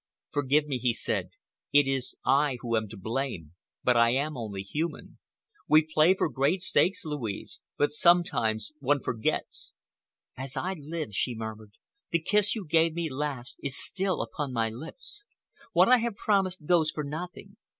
"Forgive me," he said, "it is I who am to blame, but I am only human. We play for great stakes, Louise, but sometimes one forgets." "As I live," she murmured, "the kiss you gave me last is still upon my lips. What I have promised goes for nothing.